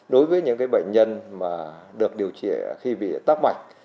đối với những bệnh nhân mà được điều trị khi bị tắc mạch